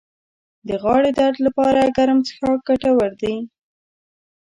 د غاړې درد لپاره ګرم څښاک ګټور دی